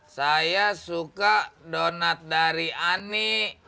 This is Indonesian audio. saya suka donat dari ani